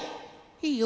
いいよ。